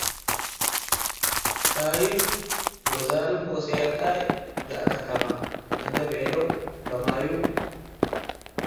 ካይን ወዛልም ወሴርቃይ ገአከ ከመ’’ እንዴ ቤለው ለማዩ